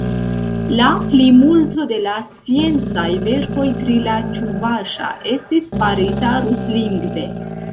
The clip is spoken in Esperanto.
La plimulto de la sciencaj verkoj pri la ĉuvaŝa estis farita ruslingve.